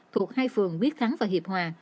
thuộc hai phường biết thắng và hiệp hòa